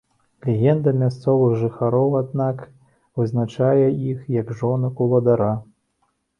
Легенда мясцовых жыхароў, аднак, вызначае іх як жонак уладара.